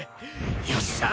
よっしゃ！